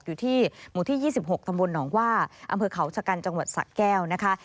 อยู่ที่หมู่ที่๒๖ถนวอำเภอเขาสกันจังหวัดสะแก้วนะคะ